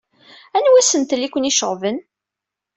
Anwa asentel i ken-iceɣben?